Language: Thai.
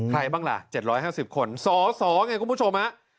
ใครบ้างล่ะ๗๕๐คนสสไงคุณผู้ชมฮะ